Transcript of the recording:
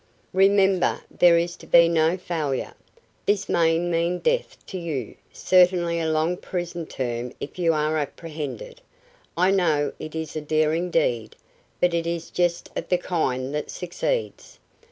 "Remember, there is to be no failure. This may mean death to you; certainly a long prison term if you are apprehended. I know it is a daring deed, but it is just of the kind that succeeds.